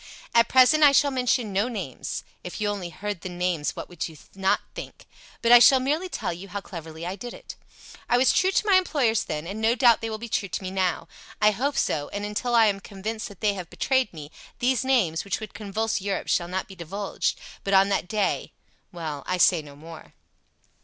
"At present I shall mention no names if you only heard the names, what would you not think! but I shall merely tell you how cleverly I did it. I was true to my employers then, and no doubt they will be true to me now. I hope so, and until I am convinced that they have betrayed me, these names, which would convulse Europe, shall not be divulged. But on that day ... well, I say no more!